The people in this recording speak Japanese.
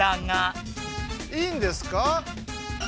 いいんですか？